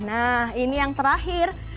nah ini yang terakhir